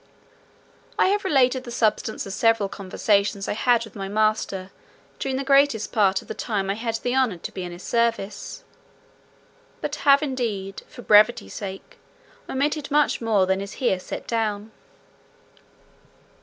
I have related the substance of several conversations I had with my master during the greatest part of the time I had the honour to be in his service; but have, indeed, for brevity sake, omitted much more than is here set down.